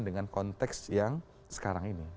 dengan konteks yang sekarang ini